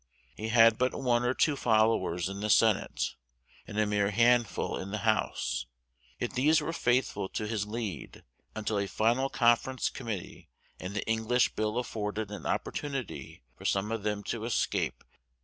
He had but one or two followers in the Senate, and a mere handful in the House; yet these were faithful to his lead until a final conference committee and the English Bill afforded an opportunity for some of them to escape.